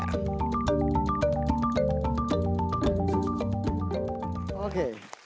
kementerian pertahanan indonesia